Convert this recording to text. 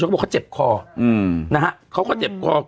เขาบอกว่าเขาเจ็บคอ